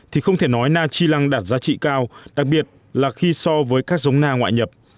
thì không thể nói na chi lăng đạt giá trị cao đặc biệt là khi so với các giống na ngoại nhập